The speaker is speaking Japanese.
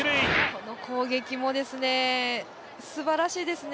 この攻撃もすばらしいですね。